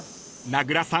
［名倉さん